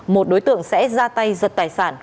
một đối tượng sẽ ra tay giật tài sản